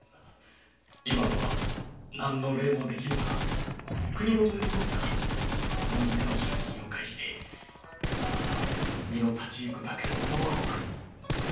今は何の礼も出来ぬが国元へ戻ったらこの店の借金を返してそなたの身の立ちいくだけの物は送る。